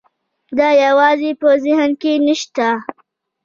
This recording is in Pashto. دا یوازې په ذهن کې نه شته.